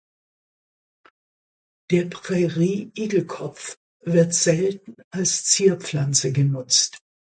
Der Prärie-Igelkopf wird selten als Zierpflanze genutzt.